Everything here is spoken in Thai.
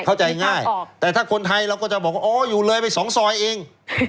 เข้าใจง่ายแต่ถ้าคนไทยเราก็จะบอกว่าอ๋ออยู่เลยไปสองซอยเอง